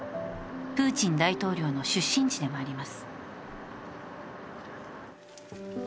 プーチン大統領の出身地でもあります。